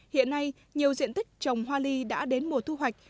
hiện nay nhiều diện tích trồng hoa ly đã đến mùa thu hoạch